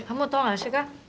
kamu tau gak sih kak